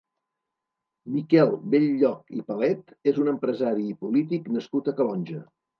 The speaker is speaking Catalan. Miquel Bell-lloch i Palet és un empresari i polític nascut a Calonge.